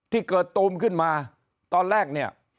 ที่เกิดตูมขึ้นมาตอนแรกเนี่ย